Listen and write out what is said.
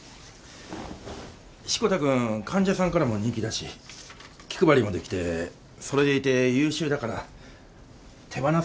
志子田君患者さんからも人気だし気配りもできてそれでいて優秀だから手放すのは大変惜しいんだけども。